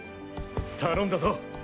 頼んだぞ。